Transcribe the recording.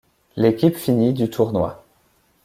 L'équipe finit du tournoi.